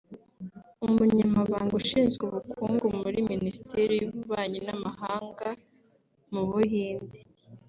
Umunyamabanga ushinzwe ubukungu muri Minisiteri y’Ububanyi n’amahanga mu Buhinde